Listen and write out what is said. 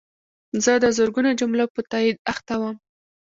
زه د زرګونو جملو په تایید اخته وم.